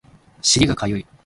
尻がかゆい